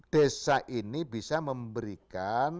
desa ini bisa memberikan